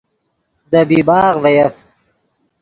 دے بیباغ ڤے یف